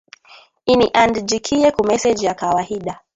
Iniandjikiye ku message ya kawahida